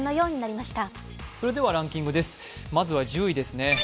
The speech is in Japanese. まずは１０位ですね。